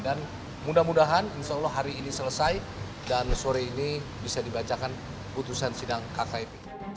dan mudah mudahan insya allah hari ini selesai dan sore ini bisa dibacakan putusan sidang kkip